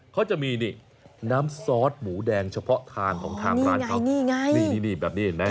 เขาจะมีนี่น้ำซอสหมูแดงเฉพาะทางของทางร้านเขานี่ไงนี่นี่แบบนี้เห็นไหม